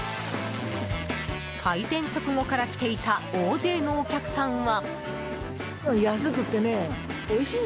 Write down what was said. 開店直後から来ていた大勢のお客さんは。